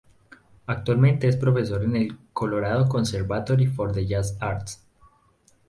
Actualmente, es profesor en el ""Colorado Conservatory for the Jazz Arts"".